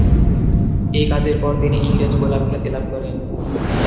এই কাজের পর তিনি "ইংরেজ গোলাপ" খ্যাতি লাভ করেন।